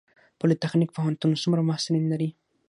پولي تخنیک پوهنتون څومره محصلین لري؟